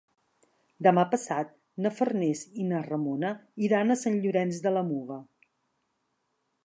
Demà passat na Farners i na Ramona iran a Sant Llorenç de la Muga.